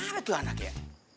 kenapa tuh anak ya